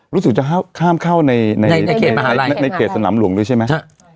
รู้สึกจะข้ามเข้าในเขตสนามหลวงด้วยใช่ไหม